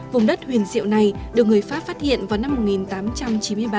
vùng đất huyền diệu này được người pháp phát hiện vào năm một nghìn tám trăm chín mươi ba